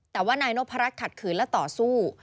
แต่ว่านายนพรัชขัดขืนและต่อสู้